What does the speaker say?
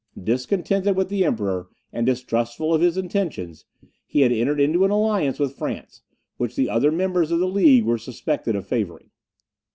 Discontented with the Emperor, and distrustful of his intentions, he had entered into an alliance with France, which the other members of the League were suspected of favouring.